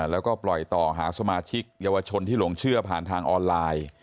แล้วก็ปล่อยต่อหาสมาชิกเยาวชนที่หลงเชื่อผ่านทางออนไลน์